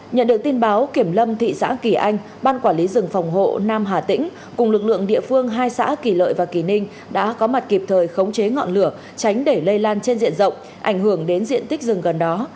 nhận được tin báo kiểm lâm thị xã kỳ anh ban quản lý rừng phòng hộ nam hà tĩnh cùng lực lượng địa phương hai xã kỳ lợi và kỳ ninh đã có mặt kịp thời khống chế ngọn lửa tránh để lây lan trên diện rộng ảnh hưởng đến diện tích rừng gần đó